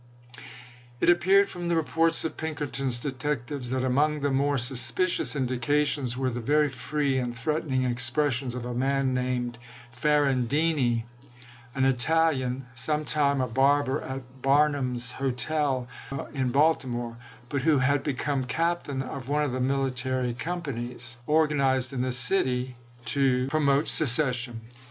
It appeared from the reports of Pinkerton's detectives that among the more suspicious indi cations were the very free and threatening expres sions of a man named Ferrandini, an Italian, sometime a barber at Barnum's Hotel in Balti more, but who had become captain of one of the military companies organized in that city to pro mote secession.